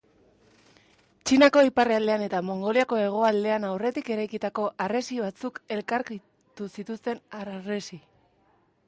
Txinako iparraldean eta Mongoliako hegoaldean aurretik eraikitako harresi batzuk elkartu zituzten harresi luzea sortzeko.